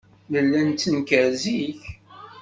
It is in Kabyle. Nella nettenkar zik.